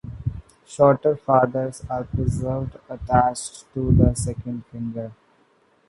Shorter feathers are preserved attached to the second finger.